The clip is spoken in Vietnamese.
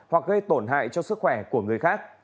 hoặc gây tổn hại cho sức khỏe của người khác